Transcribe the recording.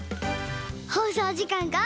ほうそうじかんが。